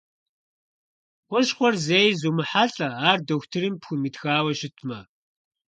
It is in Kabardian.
Хущхъуэ зэи зумыхьэлӀэ, ар дохутырым пхуимытхауэ щытмэ.